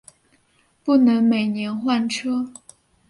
不能每年换车